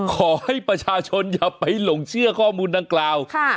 ขอให้ประชาชนอย่าไปหลงเชื่อข้อมูลดังกล่าว